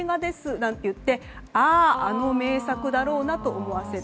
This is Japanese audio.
なんといってああ、あの名作だろうなと思わせる。